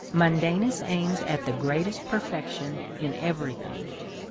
Mundanus aims at the greatest per fection in every thing.